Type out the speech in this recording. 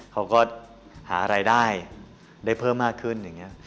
เขาก็หารายได้ได้เพิ่มมากขึ้น